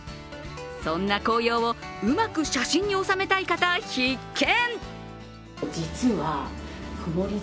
そんな紅葉をうまく写真に収めたい方、必見！